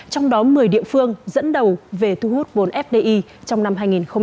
trong đó một mươi địa phương dẫn đầu về thu hút vốn fdi trong năm hai nghìn hai mươi